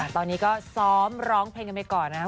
ตอนนี้ก็ซ้อมร้องเพลงกันไปก่อนนะครับ